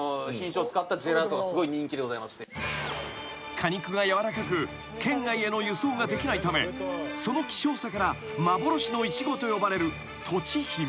［果肉が柔らかく県外への輸送ができないためその希少さから幻のイチゴと呼ばれるとちひめ］